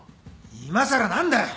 いまさら何だ！